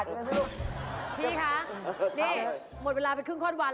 นี่หมดเวลาเป็นครึ่งข้อนวัน